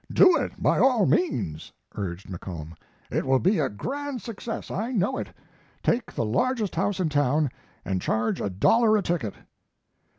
"Do it, by all means!" urged McComb. "It will be a grand success I know it! Take the largest house in town, and charge a dollar a ticket."